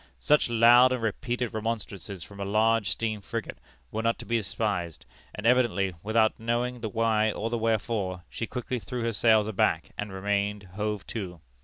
Such loud and repeated remonstrances from a large steam frigate were not to be despised, and, evidently without knowing the why or the wherefore, she quickly threw her sails aback and remained hove to.